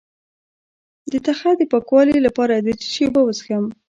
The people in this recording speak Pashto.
د تخه د پاکوالي لپاره د څه شي اوبه وڅښم؟